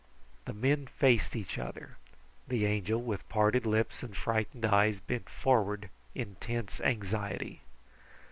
The men faced each other. The Angel, with parted lips and frightened eyes, bent forward in tense anxiety.